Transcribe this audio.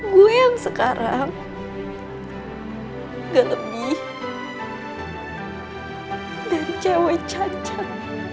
gue yang sekarang gak lebih dari cewek cacat